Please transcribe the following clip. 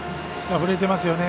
振れてますよね。